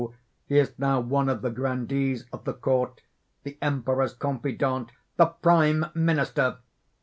he is now one of the grandees of the Court the Emperor's confidant the prime minister!